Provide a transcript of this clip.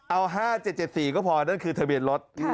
เอา๕๗๗๔ก็พอนั่นคือทะเบียนรถ